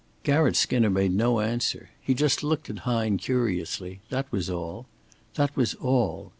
Garratt Skinner made no answer. He just looked at Hine curiously that was all. That was all.